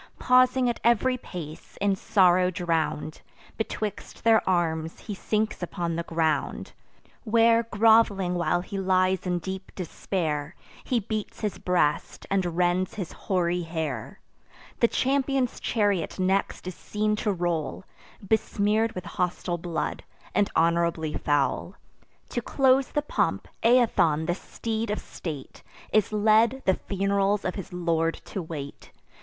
Pausing at ev'ry pace, in sorrow drown'd, Betwixt their arms he sinks upon the ground; Where grov'ling while he lies in deep despair, He beats his breast, and rends his hoary hair. The champion's chariot next is seen to roll, Besmear'd with hostile blood, and honourably foul. To close the pomp, Aethon, the steed of state, Is led, the fun'rals of his lord to wait.